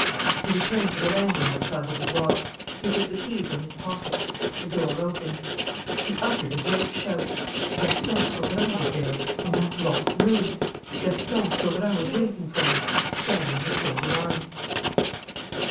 He returned to the landing outside the boudoir. He took the key from his pocket. The door opened. He uttered a great shout: Gaston Sauverand was there! In that locked room Gaston Sauverand was waiting for him, standing with folded arms.